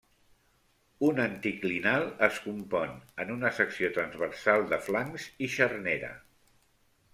Un anticlinal es compon, en una secció transversal, de flancs i xarnera.